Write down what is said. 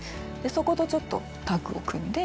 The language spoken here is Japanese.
そことちょっとタッグを組んで。